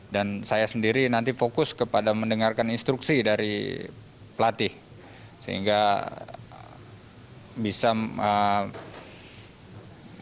dan saya sendiri nanti fokus kepada mendengarkan instruksi dari pelatih sehingga bisa memperbaiki